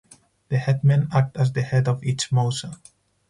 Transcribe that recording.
The headmen act as the head of each mouza.